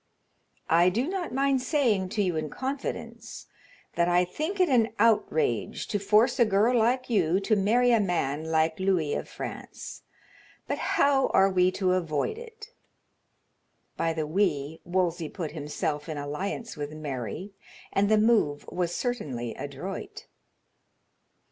"I do not mind saying to you in confidence that I think it an outrage to force a girl like you to marry a man like Louis of France, but how are we to avoid it?" By the "we" Wolsey put himself in alliance with Mary, and the move was certainly adroit.